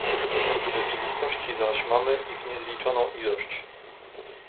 "W rzeczywistości zaś mamy ich niezliczoną ilość."